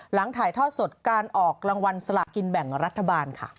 หลังถ่ายทอดสดการออกรางวัลสลากินแบ่งรัฐบาลค่ะ